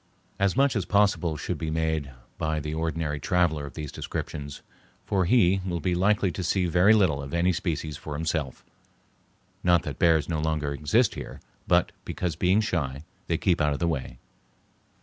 As much as possible should be made by the ordinary traveler of these descriptions, for he will be likely to see very little of any species for himself; not that bears no longer exist here, but because, being shy, they keep out of the way.